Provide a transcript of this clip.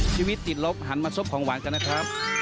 ชีวิตติดลบหันมาซบของหวานกันนะครับ